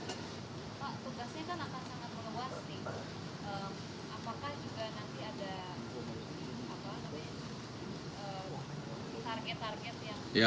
apakah juga nanti ada target target yang